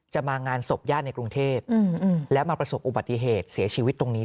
จะมางานศพย่าในกรุงเทพฯอืมอืมแล้วมาประสบอุบัติเหตุเสียชีวิตตรงนี้